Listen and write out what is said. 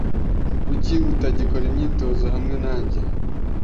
Kuki atagikora imyitozo hamwe nanjye?